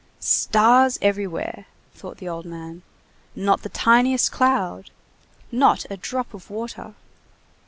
"Stars everywhere!" thought the old man; "not the tiniest cloud! Not a drop of water!"